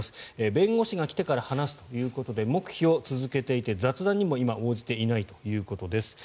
弁護士が来てから話すということで黙秘を続けていて雑談にも今応じていないということです。